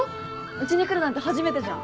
うちに来るなんて初めてじゃん。